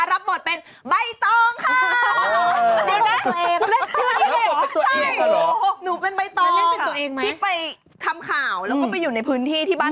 รับบทเป็นสายฝนค่ะ